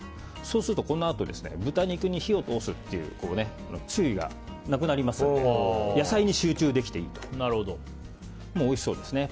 そうすると、このあと豚肉に火を通すっていう注意がなくなりますので野菜に集中できていいと思います。